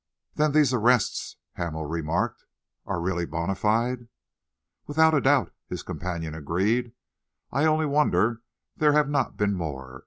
"Then these arrests," Hamel remarked, "are really bona fide?" "Without a doubt," his companion agreed. "I only wonder there have not been more.